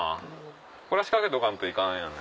これは仕掛けとかんといかんやん。